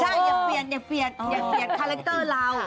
ใช่อย่าเปลี่ยนอย่าเปลี่ยนอย่าเปลี่ยนคาแรคเตอร์เรา